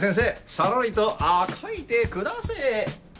さらりとあ描いてくだせぇ。